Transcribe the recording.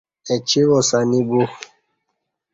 اہ چی واس انی بو